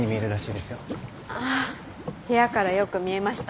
あっ部屋からよく見えました。